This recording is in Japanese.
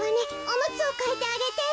おむつをかえてあげて。